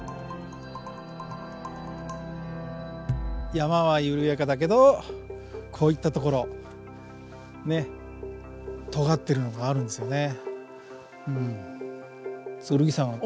山は緩やかだけどこういったところねっ尖ってるのがあるんですよね。